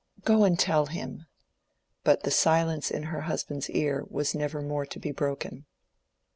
Go and tell him." But the silence in her husband's ear was never more to be broken.